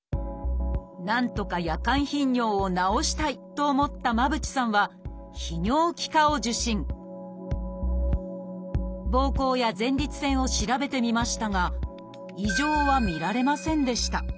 なんとか夜間頻尿を治したいと思った間渕さんはぼうこうや前立腺を調べてみましたが異常は見られませんでした。